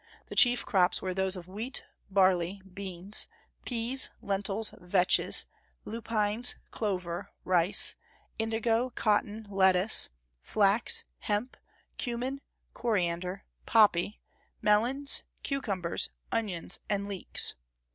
The chief crops were those of wheat, barley, beans, peas, lentils, vetches, lupines, clover, rice, indigo, cotton, lettuce, flax, hemp, cumin, coriander, poppy, melons, cucumbers, onions, and leeks.